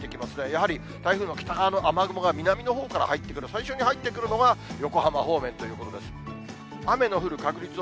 やはり台風の北側の雨雲が南のほうから入ってくる、最初に入ってくるのが横浜方面ということです。